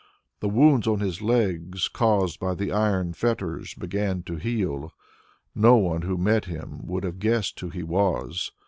The wounds on his legs caused by the iron fetters began to heal; no one who met him would have guessed who he was.